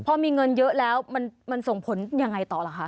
พอมีเงินเยอะแล้วมันส่งผลยังไงต่อล่ะคะ